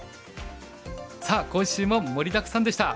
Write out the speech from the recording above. さあ今週も盛りだくさんでした！